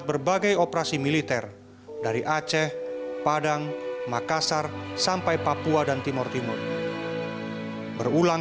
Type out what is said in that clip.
berbagai operasi militer dari aceh padang makassar sampai papua dan timur timur berulang